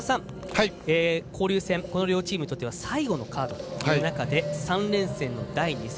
交流戦、この両チームにとっては最後のカードという中で３連戦の第２戦。